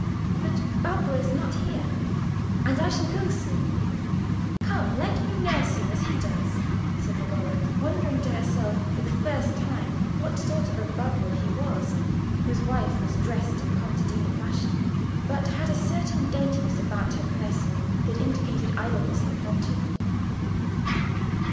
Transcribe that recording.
"But Babbo is not here, and I shall go soon. Come, let me nurse you as he does," said Romola, wondering to herself for the first time what sort of Babbo he was whose wife was dressed in contadina fashion, but had a certain daintiness about her person that indicated idleness and plenty.